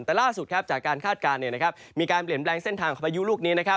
แต่ล่าสุดจากการคาดการณ์มีการเปลี่ยนแปลงเส้นทางของพายุลูกนี้